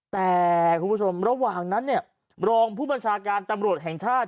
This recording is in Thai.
แต่คุณผู้ชมระหว่างนั้นเนี่ยรองผู้บัญชาการตำรวจแห่งชาติ